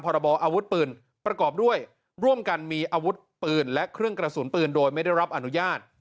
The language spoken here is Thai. บออาวุธปืนประกอบด้วยร่วมกันมีอาวุธปืนและเครื่องกระสุนปืนโดยไม่ได้รับอนุญาต